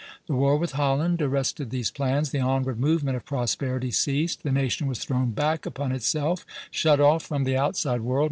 The war with Holland arrested these plans, the onward movement of prosperity ceased, the nation was thrown back upon itself, shut off from the outside world.